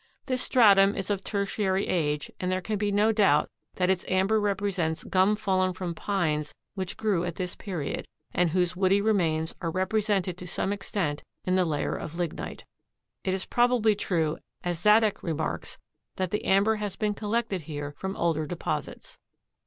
This stratum is of Tertiary age and there can be no doubt that its amber represents gum fallen from pines which grew at this period and whose woody remains are represented to some extent in the layer of lignite. It is probably true as Zaddach remarks that the amber has been collected here from older deposits.